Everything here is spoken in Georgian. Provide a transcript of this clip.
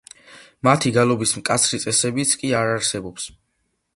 მათი გალობის მკაცრი წესებიც კი არ არსებობს.